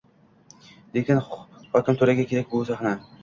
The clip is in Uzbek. Lekin hokimto‘raga kerak bu sahna.